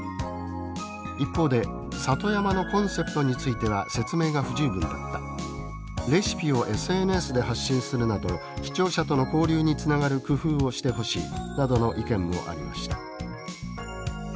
一方で「里山のコンセプトについては説明が不十分だった」「レシピをＳＮＳで発信するなど視聴者との交流につながる工夫をしてほしい」などの意見もありました。